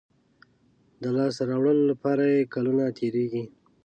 د لاسته راوړلو لپاره یې کلونه تېرېږي.